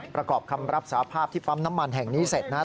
ประกอบคำรับสาภาพที่ปั๊มน้ำมันแห่งนี้เสร็จนะครับ